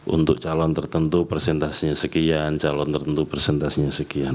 untuk calon tertentu presentasinya sekian calon tertentu presentasinya sekian